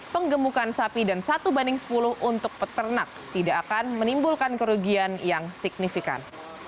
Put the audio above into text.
penggemukan sapi dan satu banding sepuluh untuk peternak tidak akan menimbulkan kerugian yang signifikan